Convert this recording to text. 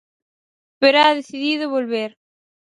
Pero ha decidido volver.